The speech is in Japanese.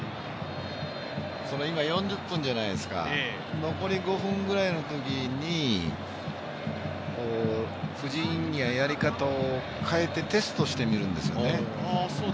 今、４０分じゃないですか、残り５分くらいの時に布陣ややり方を変えて、テストしてみるんですよね。